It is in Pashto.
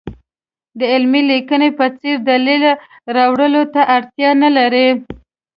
د علمي لیکنو په څېر دلیل راوړلو ته اړتیا نه لري.